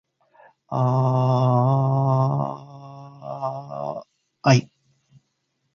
ああああああああああああああああい